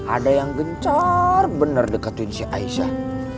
ada yang gencar bener deketin si aisyah